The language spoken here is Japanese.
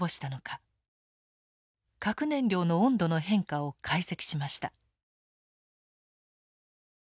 核燃料の温度の変化を解析しました。